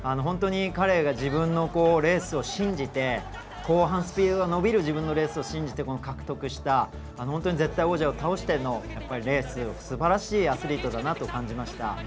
自分のレースを信じて後半スピードが伸びる自分のレースを信じて獲得した、絶対王者を倒してのレースはすばらしいアスリートだと感じました。